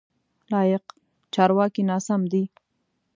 لایق: چارواکی ناسم دی.